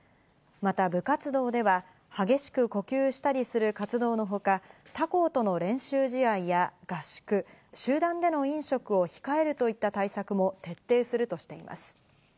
また部活動では激しく呼吸したりする活動のほか、他校との練習試合や合宿、集団での飲食を控えるといった対策も徹底するとしています。